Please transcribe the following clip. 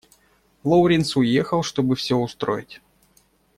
Лоуренс уехал, чтобы все устроить.